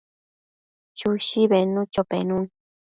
Chushi bednucho penun